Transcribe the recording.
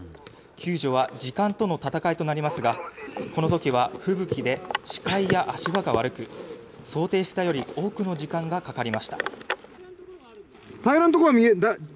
救助は時間との闘いとなりますが、このときは吹雪で視界や足場が悪く、想定したより多くの時間がかかりました。